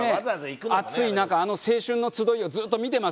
暑い中あの青春の集いをずっと見てますよね。